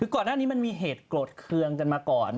คือก่อนหน้านี้มันมีเหตุโกรธเคืองกันมาก่อน